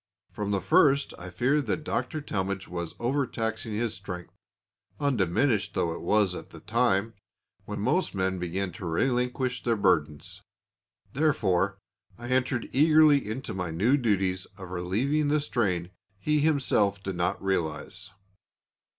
From the first I feared that Dr. Talmage was over taxing his strength, undiminished though it was at a time when most men begin to relinquish their burdens. Therefore, I entered eagerly into my new duties of relieving the strain he himself did not realise.